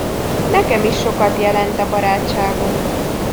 Nekem is sokat jelent a barátságunk.